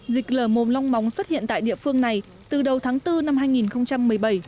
dịch lở mồm long móng xuất hiện tại địa phương này từ đầu tháng bốn năm hai nghìn một mươi bảy